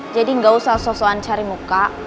jadi gak usah sos soan cari muka